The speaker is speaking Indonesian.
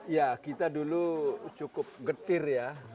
ya kita dulu cukup getir ya